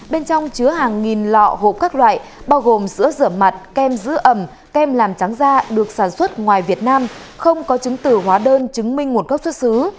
bên trong chứa hàng nghìn lọ hộp các loại bao gồm sữa rửa mặt kem giữ ẩm kem làm trắng da được sản xuất ngoài việt nam không có chứng tử hóa đơn chứng minh nguồn gốc xuất xứ